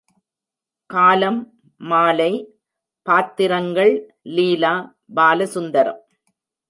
காலம் மாலை பாத்திரங்கள் லீலா, பாலசுந்தரம்.